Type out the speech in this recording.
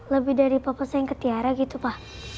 lebih dari papa sayang ke tiara gitu pak